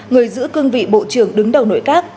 người giữ cương vị bộ trưởng đứng đầu nội các